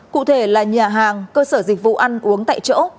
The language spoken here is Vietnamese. cụ thể là nhà hàng cơ sở dịch vụ ăn uống tại chỗ